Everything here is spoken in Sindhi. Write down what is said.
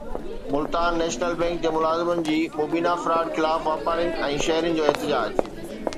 ملتان نيشنل بئنڪ جي ملازمن جي مبينا فراڊ خلاف واپارين ۽ شهرين جو احتجاج